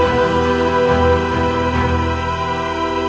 main saja dengan pemikiranmu